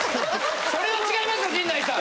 それは違いますよ陣内さん！